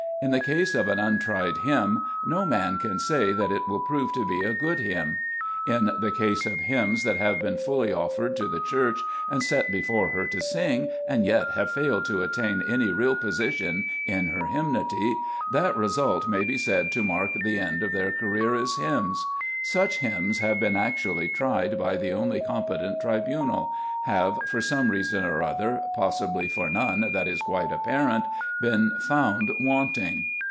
In the case of an untried hymn, no man can say that it will prove to be " a good hymn." In the case of hymns that have been fully offered to the Church, and set before her to sing, and yet have failed to attain any real position in her hymnody, that result may be said to mark the end of their career as hymns. Such hymns, having been actually tried by the only com petent tribunal, have, for some reason or other, possibly for none that is quite apparent, been found wanting.